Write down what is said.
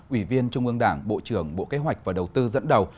ủy viên trung ương đảng bộ trưởng bộ kế hoạch và đầu tư dẫn đầu